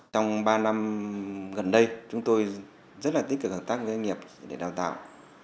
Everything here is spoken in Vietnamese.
trong ba năm gần đây chúng tôi rất là tích cực hợp tác với doanh nghiệp để đào tạo